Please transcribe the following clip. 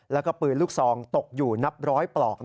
แล้วก็ปืนลูกซองตกอยู่นับร้อยปลอก